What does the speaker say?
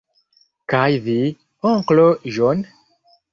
Kaj vi, onklo John?